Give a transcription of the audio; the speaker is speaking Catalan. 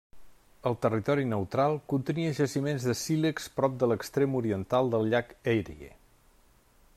El territori Neutral contenia jaciments de sílex prop de l'extrem oriental del llac Erie.